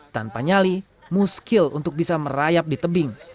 tanpa nyali muskil untuk bisa merayap di tebing